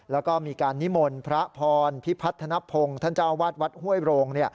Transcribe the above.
แล้วก็มีการนิมนต์พระพรพิพัฒนภงท่านเจ้าวาดวัดห้วยโรง